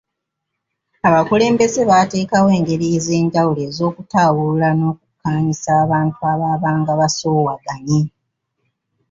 Abakulembeze baateekawo engeri ez’enjawulo ez’okutaawulula n’okukkaanyisa abantu abaabanga basoowaganye.